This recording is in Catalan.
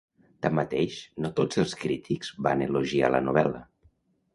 Tanmateix, no tots els crítics van elogiar la novel·la.